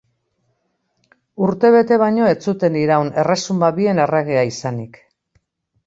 Urtebete baino ez zuten iraun erresuma bien erregea izanik.